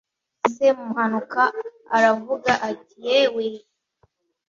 semuhanuka aravuga ati yewe